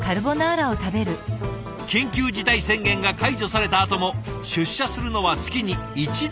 緊急事態宣言が解除されたあとも出社するのは月に１度程度。